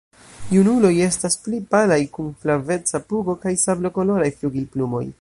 Junuloj estas pli palaj, kun flaveca pugo kaj sablokoloraj flugilplumoj.